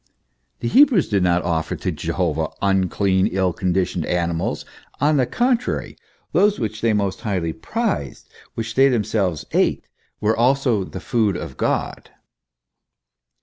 The Hebrews did not offer to Jehovah unclean, ill conditioned animals; on the contrary, those which they most highly prized, which they themselves ate, were also the food of God (cibus Dei, Levit.